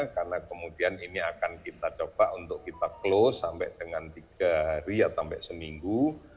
karena kemudian ini akan kita coba untuk kita close sampai dengan tiga hari atau sampai seminggu